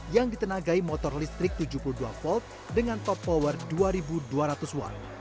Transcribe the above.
yang ditenagai motor listrik tujuh puluh dua volt dengan top power dua dua ratus watt